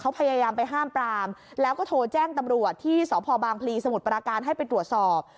เขาพยายามไปห้ามปรามแล้วก็โทรแจ้งตำรวจที่สพบางพลีสมุทรปราการให้ไปตรวจสอบ